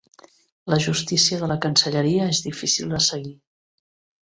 La justícia de la Cancelleria és difícil de seguir.